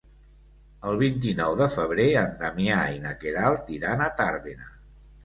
El vint-i-nou de febrer en Damià i na Queralt iran a Tàrbena.